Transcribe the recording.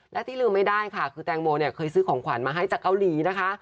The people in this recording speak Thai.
และที่ลืมไม่ได้ค่ะคือแตงโมเนี่ยเคยซื้อของขวัญมาให้จากเกาหลีนะคะ